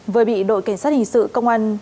vừa bị đội cảnh sát hình sự công an